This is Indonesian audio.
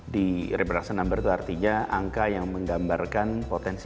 di rebruction number itu artinya angka yang menggambarkan potensi